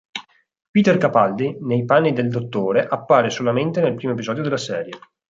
Peter Capaldi, nei panni del Dottore, appare solamente nel primo episodio della serie.